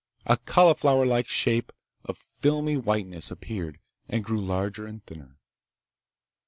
A cauliflowerlike shape of filmy whiteness appeared and grew larger and thinner.